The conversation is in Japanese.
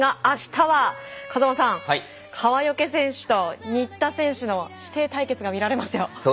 あしたは風間さん川除選手と新田選手の師弟対決が見られますよ。